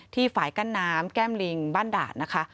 ฝ่ายกั้นน้ำแก้มลิงบ้านด่านนะคะ